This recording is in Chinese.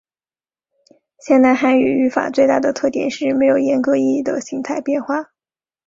现代汉语语法最大的特点是没有严格意义的形态变化。